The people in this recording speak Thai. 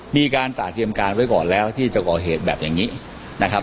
มีการตราเตรียมการไว้ก่อนแล้วที่จะก่อเหตุแบบอย่างนี้นะครับ